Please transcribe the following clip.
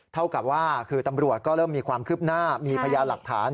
เท่ากับว่าคือตำรวจก็เริ่มมีความคืบหน้ามีพยานหลักฐาน